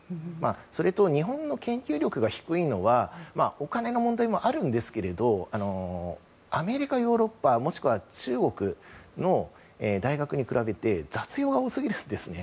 それと、日本の研究力が低いのはお金の問題もありますがアメリカ、ヨーロッパもしくは中国の大学に比べて雑用が多すぎるんですね。